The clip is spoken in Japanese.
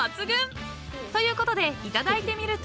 ［ということでいただいてみると］